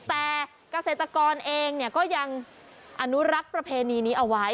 แต่เกษตรกรเองก็ยังอนุรักษ์ประเพณีนี้เอาไว้